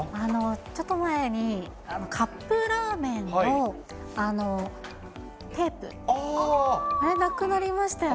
ちょっと前にカップラーメンのテープ、あれ、なくなりましたよね。